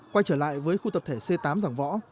quay trở lại với khu tập thể c tám giảng võ